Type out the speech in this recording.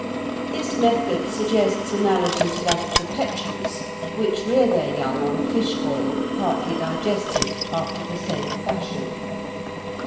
This method suggests analogy to that of the petrels, which rear their young on fish oil partly digested after the same fashion.